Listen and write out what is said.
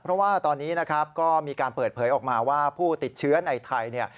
เพราะว่าตอนนี้เดี๋ยวมีการเปิดเผยออกมาว่าผู้ติดเชื้อในไทย